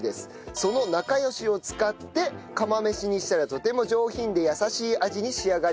そのなかよしを使って釜飯にしたらとても上品で優しい味に仕上がりました。